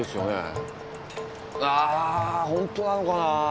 うわホントなのかな？